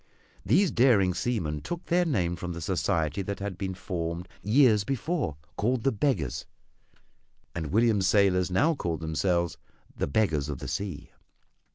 These daring seamen took their name from the society that had been formed years before called the "Beggars." And William's sailors now called themselves "The Beggars of the Sea."